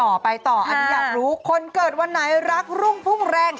อันนี้อยากรู้คนเกิดวันไหนรักลุ้งพุ่งแรง